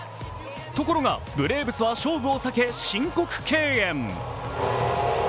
ところがブレーブスは勝負を避け申告敬遠。